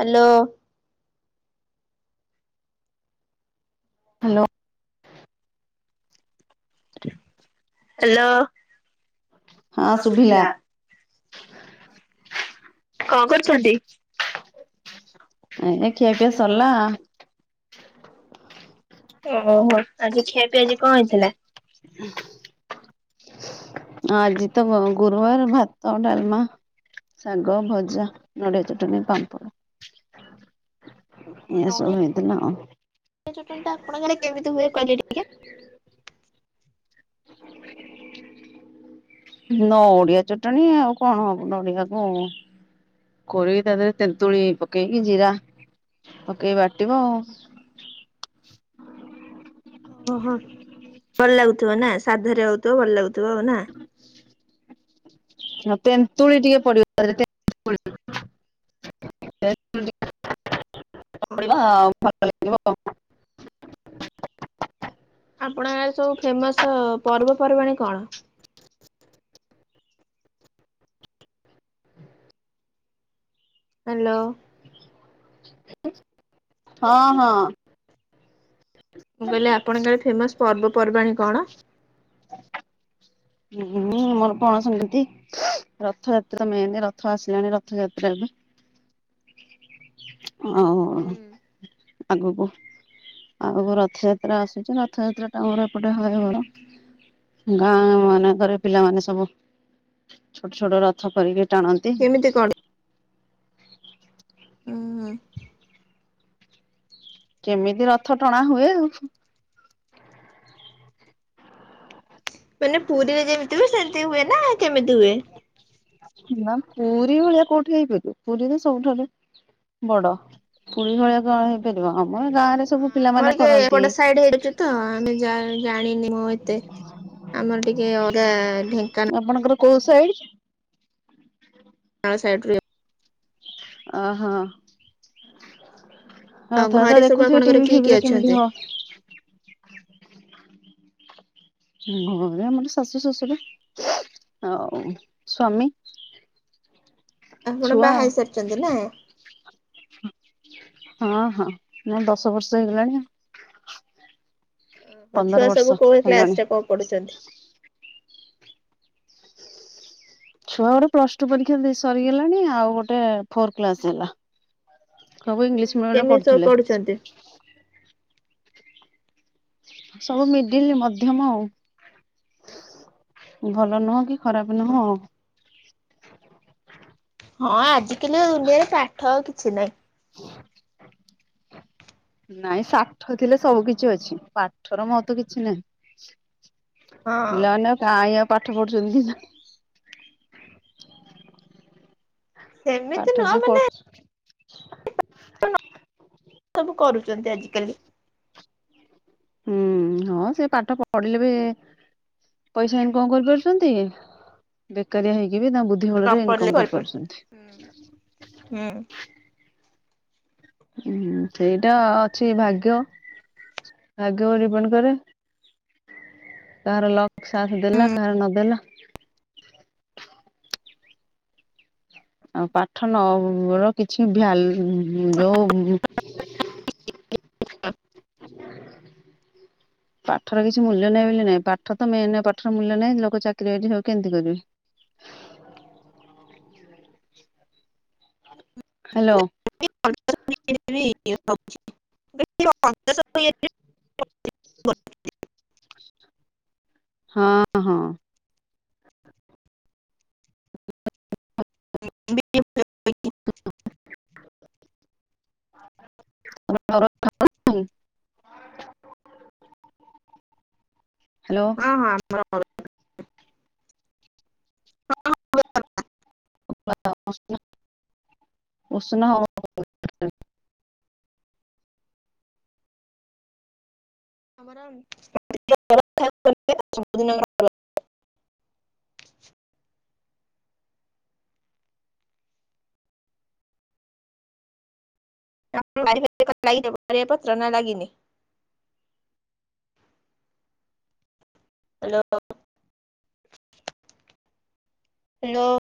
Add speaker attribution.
Speaker 1: Hello
Speaker 2: hello hello
Speaker 1: hello
Speaker 2: ହଁ ସୁଭିଲା।
Speaker 1: କଣ କରୁଛନ୍ତି?
Speaker 2: ଏଇନା ଖିଆ ପିଆ ସଲା।
Speaker 1: ଓହୋ ଆଜି ଖିଆ ପିଆ ଆଜି କଣ ହେଇଥିଲା?
Speaker 2: [unintelligible] ଆଜି ତ ଗୁରୁବାର ଭାତ ଡାଲମା। ଶାଗ ଭଜା ନଡ଼ିଆ ଚଟଣିୀ ପାମ୍ପଡ଼।
Speaker 1: [inaudible]
Speaker 2: ଏସ ଭେଦ ଲା।
Speaker 1: ଜଟଣି ଟା ଆପଣଙ୍କ ଆଡ଼େ କେମିତି ହୁଏ କଇଲେ ଟିକେ।
Speaker 2: [inaudible]
Speaker 1: [inaudible]
Speaker 2: ନ ଓଡିଆ ଚଟଣିୀ ଆଉ କଣ ହବ ନଡିଆ କ କରିକି ତା ଦେହରେ ତେନ୍ତୁଳି ପକେଇକି ଜିରା ପକେଇକି ବାଟିବ ଆଉ।
Speaker 1: ଓହୋ ଭଲ ଲାଗୁଥିବ ନା ସାଧରେ ହଉଥିବ ଭଲ ଲାଗୁଥିବ ଆଉ ନା। [inaudible]
Speaker 2: ନା ତେନ୍ତୁଳି ଟିକେ ପଡିବ [unintelligible] ତେନ୍ତୁଳି। ପ ଆଉ [unintelligible] ଭଲ ଲାଗିବ।
Speaker 1: ଆପଣ ଆରେ ସବୁ ଫେମସ ପର୍ବପର୍ବାଣୀ କଣ? ହ୍ୟାଲୋ
Speaker 2: ହଁ ହଁ
Speaker 1: ମୁଁ କହିଲି ଆପଣଙ୍କଡେ ଫେମସ ପର୍ବପର୍ବାଣୀ କଣ?
Speaker 2: ହୁଁ ମୋର ପଣାସତି। ରଥଯାତ୍ରା ମେନ ରଥ ଆସିଲାଣି ରଥଯାତ୍ରା ଏବେ।
Speaker 1: [unintelligible]
Speaker 2: ହଁ ଅଁ। ଆଗକୁ ଆଗକୁ ରଥଯାତ୍ରା ଆସୁଛି ରଥଯାତ୍ରାଟା ଆମର ଏପଟେ ହଏ ବଡ଼। ଗାଁ ମାନଙ୍କରେ ପିଲାମାନେ ସବୁ ଛୋଟ ଛୋଟ ରଥ କରିକି ଟାଣନ୍ତି।
Speaker 1: କେମିତି କଣ? ଉୁଁ
Speaker 2: କେମିତି ରଥ ଟଣା ହୁଏ ଆଉ।
Speaker 1: ମାନେ ପୁରୀରେ ଯେମିତି ହୁଏ ସେମିତି ହୁଏ ନା କେମିତି ହୁଏ?
Speaker 2: ନା ପୁରୀ ଭଳିଆ କୋଉଠି ହେଇପାରବ ପୁରୀରେ ସବୁଠାରୁ ବଡ ପୁରୀ ଭଳିଆ କଣ ହେଇ ପାରିବ ଆମଏ ଗାଁରେ ସବୁ ପିଲା
Speaker 1: ଆମର ଟିକେ ଏପଟ ସାଇଡ ହେଇଯାଉଛି ତ ଆମେ ଜାଣିନି ମୁଁ ଏତେ। ଆମର ଟିକେ ଅଲଗା ଢେଙ୍କାନା
Speaker 2: ଆପଣଙ୍କର କୋଉ ସାଇଡ?
Speaker 1: ସ [inaudible]
Speaker 2: ଅ ହ।
Speaker 1: ଆଉ
Speaker 2: ରଥଯାତ୍ରା
Speaker 1: ଘରେ ସବୁ
Speaker 2: ଦେଖୁଥିବେ
Speaker 1: ଆପଣଙ୍କର
Speaker 2: ଟିଭି
Speaker 1: କିଏ କିଏ
Speaker 2: ଫିଭିରେ କେମିତି
Speaker 1: ଅଛନ୍ତି?
Speaker 2: କ ଘରେ ଆମର ଶାଶୁ ଶଶୁର ଆଉ ସ୍ଵାମୀ।
Speaker 1: ଆପଣ ବାହା ହେଇ ସାରିଛନ୍ତି ନା?
Speaker 2: ହଁ ହଁ ମୁଁ ଦଶ ବର୍ଷ ହେଇଗଲାଣି ଆ
Speaker 1: ହ ଛୁଆ ସବୁ କୋହ
Speaker 2: ହେଲାଣି।
Speaker 1: କ୍ଲାସରେ କଣ ପଢୁଛନ୍ତି?
Speaker 2: ଛୁଆ ଗୋଟେ ପ୍ଲସ ଟୁ ପରୀକ୍ଷା ସରିଗଲାଣି ଆଉ ଗୋଟେ ଫୋର କ୍ଲାସ ହେଲା। ସବୁ ଇଂଲିଶ ମିଡିୟମ ରେ ପଢୁଥିଲେ।
Speaker 1: ଛନ୍ତି।
Speaker 2: ସବୁ ମିଳିଲି ମଧ୍ୟମ ଆଉ। ଭଲ ନୁହଁ କି ଖରାପ ନୁହଁ ଆଉ।
Speaker 1: ହଁ ଆଜିକାଲି ଦୁନିଆରେ ପାଠ ଆଉ କିଛି ନାଇଁ।
Speaker 2: ନାଇଁ ସାଠ ଥିଲେ ସବୁ କିଛି ଅଛି ପାଠର ମହତ କିଛି ନାହିଁ।
Speaker 1: ହଁ
Speaker 2: ପିଲାମାନେ କାଇଁ ଆଉ ପାଠ ପଢୁଛନ୍ତି ନା। ପାଠ
Speaker 1: ସେମିତି ନୁହଁ
Speaker 2: ଯିଏ
Speaker 1: ମାନେ
Speaker 2: ପଢୁ
Speaker 1: ସବୁ କରୁଛନ୍ତି ଆଜିକାଲି।
Speaker 2: ହୁଁ ହଁ ସେ ପାଠ ପଢିଲେ ବି ପଇସା ଇନକମ କରିପାରୁଛନ୍ତି ବେକାରିଆ ହେଇକି ବି ତା ବୁଧ
Speaker 1: ନ ପଡ଼ିଲେ ହୁଁହୁଁ।
Speaker 2: ହଁ ସେଇଟା ଅଛି ଭାଗ୍ୟ ଭାଗ୍ୟକୁ ଡିପେଣ୍ଡ କରେ। କାହାର ଲଗ ସାଥ ଦେଲା କାହାର ନଦେଲା। ଆଉ ପାଠନ ର କିଛି ଭ୍ୟାଲୁ ଯୋଉ
Speaker 1: ହ [unintelligible]
Speaker 2: ପାଠର କିଛି ମୂଲ୍ୟ ନାହିଁ ବୋଲି ନାହିଁ ପାଠ ତ ମେନ ପାଠର ମୂଲ୍ୟ ନାହିଁ ଲୋକ ଚାକିରି ବାକିରି ହଉ କେମିତି କରିବେ? ହ୍ୟାଲୋ।
Speaker 1: [unintelligible]
Speaker 2: ହଁ ହଁ।
Speaker 1: [unintelligible]
Speaker 2: [unintelligible] ହ୍ୟାଲୋ।
Speaker 1: ହଁ ହଁ ଆମ
Speaker 2: [unintelligible] ଉଶୁନ ହଉ
Speaker 1: [unintelligible] ାର ଲାଗ ପତ୍ର ନ ଲାଗିନି [unintelligible] ହ୍ୟାଲୋ। ହ୍ୟାଲୋ।